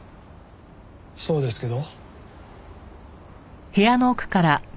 そうですけど。